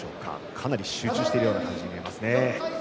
かなり集中している感じに見えます。